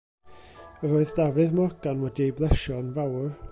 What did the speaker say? Yr oedd Dafydd Morgan wedi ei blesio yn fawr.